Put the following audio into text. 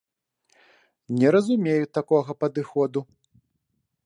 Не разумею такога падыходу.